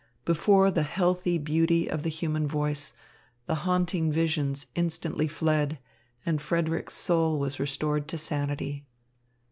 Before the healthy beauty of the human voice, the haunting visions instantly fled, and Frederick's soul was restored to sanity.